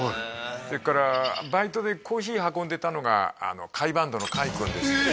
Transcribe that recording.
それからバイトでコーヒー運んでたのが甲斐バンドの甲斐君ですえ！